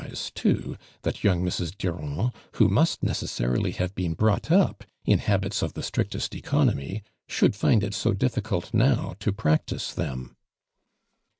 so too that young Mrs. Durand, who must necessarily have been brought up in habits of the strictest economy, should find it so ditticult now to practice them.